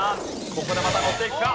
ここでまたのっていくか？